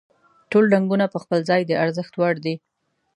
ټول رنګونه په خپل ځای د ارزښت وړ دي.